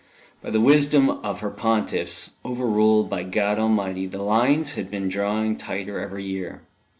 By the wisdom of her pontiffs, over ruled by God Almighty, the lines had been drawing tighter every year.